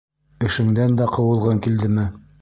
Эшеңдән дә ҡыуылғың килдеме?